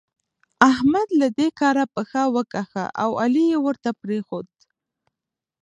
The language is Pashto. احمد له دې کاره پښه وکښه او علي يې ورته پرېښود.